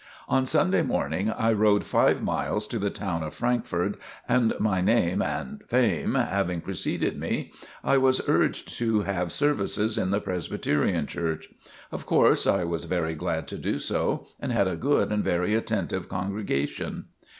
On Sunday morning I rode five miles to the town of Frankford and my name (and fame) having preceded me, I was urged to have services in the Presbyterian Church. Of course I was very glad to do so and had a good and very attentive congregation.